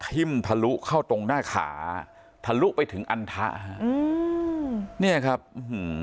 ทิ่มทะลุเข้าตรงหน้าขาทะลุไปถึงอันทะฮะอืมเนี่ยครับอื้อหือ